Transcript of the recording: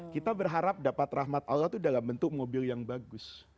kita berharap dapat rahmat allah itu dalam bentuk mobil yang bagus